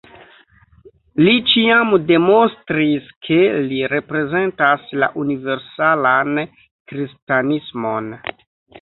Li ĉiam demonstris, ke li reprezentas la universalan kristanismon.